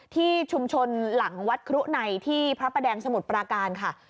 ที่ชุมชนหลังวัดครุในที่พระประแดงสมุทรปราการค่ะ